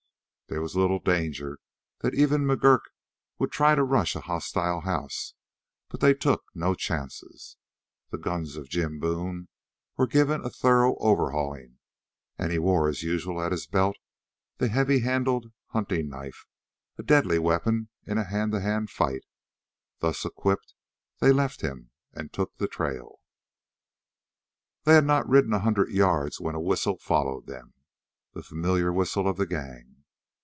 There was little danger that even McGurk would try to rush a hostile house, but they took no chances. The guns of Jim Boone were given a thorough overhauling, and he wore as usual at his belt the heavy handled hunting knife, a deadly weapon in a hand to hand fight. Thus equipped, they left him and took the trail. They had not ridden a hundred yards when a whistle followed them, the familiar whistle of the gang.